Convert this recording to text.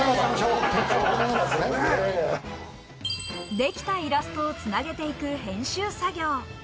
出来たイラストをつなげていく編集作業。